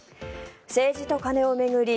政治と金を巡り